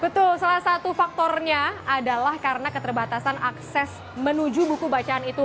betul salah satu faktornya adalah karena keterbatasan akses menuju buku bacaan itu